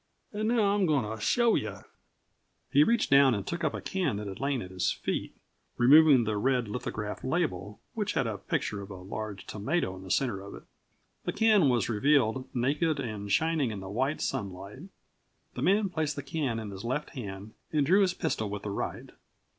An' now I'm goin' to show you!" He reached down and took up a can that had lain at his feet, removing the red lithographed label, which had a picture of a large tomato in the center of it. The can was revealed, naked and shining in the white sunlight. The man placed the can in his left hand and drew his pistol with the right.